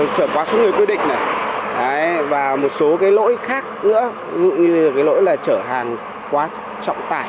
trở qua số người quy định và một số lỗi khác nữa như lỗi trở hàng quá trọng tải